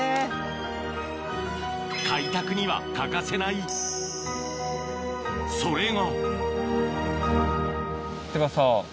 開拓には欠かせないそれがってかさ